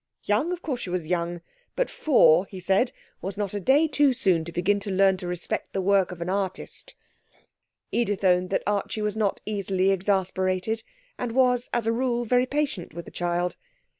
Young? Of course she was young, but four (he said) was not a day too soon to begin to learn to respect the work of the artist. Edith owned that Archie was not easily exasperated and was as a rule very patient with the child.